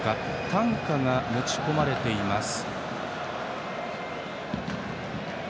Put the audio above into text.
担架が持ち込まれています。